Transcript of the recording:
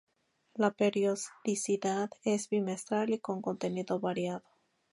La periodicidad es bimestral y con contenido variado.